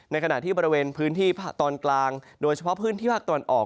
ขณะที่บริเวณพื้นที่ภาคตอนกลางโดยเฉพาะพื้นที่ภาคตะวันออก